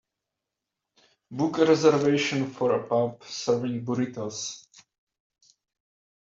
Book a reservation for a pub serving burritos